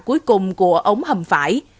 cuối cùng của ống hầm phải